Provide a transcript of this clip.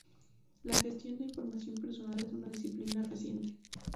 La gestión de información personal es una disciplina reciente.